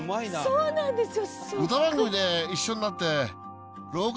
「そうなんですよ！